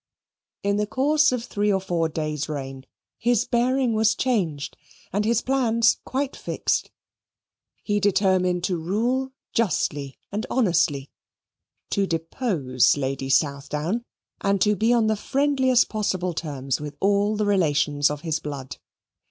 In the course of three or four days' reign his bearing was changed and his plans quite fixed: he determined to rule justly and honestly, to depose Lady Southdown, and to be on the friendliest possible terms with all the relations of his blood.